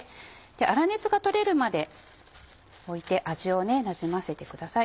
粗熱がとれるまでおいて味をなじませてください。